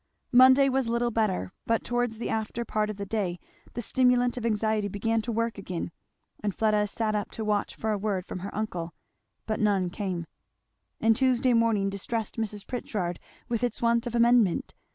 Monday was little better, but towards the after part of the day the stimulant of anxiety began to work again, and Fleda sat up to watch for a word from her uncle, But none came, and Tuesday morning distressed Mrs. Pritchard with its want of amendment.